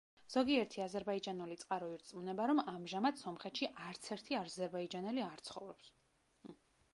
ზოგიერთი აზერბაიჯანული წყარო ირწმუნება, რომ ამჟამად სომხეთში არც ერთი აზერბაიჯანელი არ ცხოვრობს.